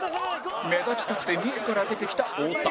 目立ちたくて自ら出てきた太田